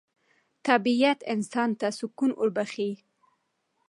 طبیعت انسان ته سکون وربخښي